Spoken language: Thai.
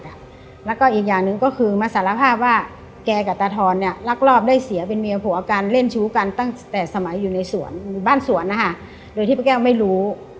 แล้วก็อีกอย่างหนึ่งก็คือมาสารภาพว่าแกกับตาทอนเนี่ยลักลอบได้เสียเป็นเมียผัวกันเล่นชู้กันตั้งแต่สมัยอยู่ในสวนบ้านสวนนะคะโดยที่ป้าแก้วไม่รู้